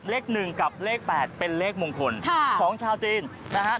เลข๑กับเลข๘เป็นเลขมงคลของชาวจีนนะฮะ